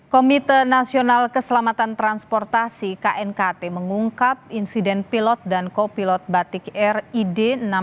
komite nasional keselamatan transportasi knkt mengungkap insiden pilot dan kopilot batik air id enam ribu tujuh ratus dua puluh tiga